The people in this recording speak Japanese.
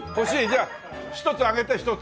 じゃあ１つあげて１つ。